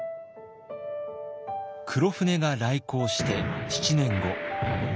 黒船が来航して７年後。